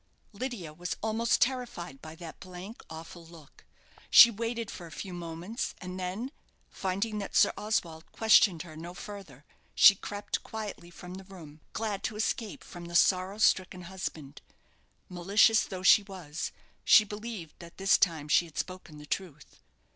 Lydia was almost terrified by that blank, awful look. She waited for a few moments, and then, finding that Sir Oswald questioned her no further, she crept quietly from the room, glad to escape from the sorrow stricken husband. Malicious though she was, she believed that this time she had spoken the truth.